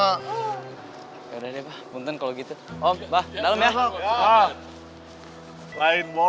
yaudah deh pak buntun kalo gitu